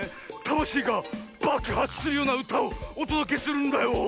たましいがばくはつするようなうたをおとどけするんだよ。